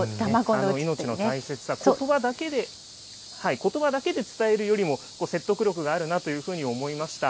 命の大切さ、ことばだけで伝えるよりも、説得力があるなというふうに思いました。